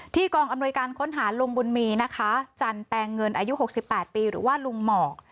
กองอำนวยการค้นหาลุงบุญมีนะคะจันแปลงเงินอายุ๖๘ปีหรือว่าลุงหมอก